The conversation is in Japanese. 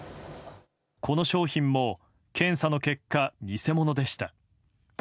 この商品も検査の結果、偽物でした。